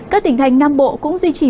các tỉnh thành nam bộ cũng duy trì